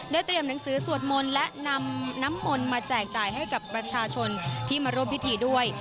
เตรียมหนังสือสวดมนต์และนำน้ำมนต์มาแจกจ่ายให้กับประชาชนที่มาร่วมพิธีด้วย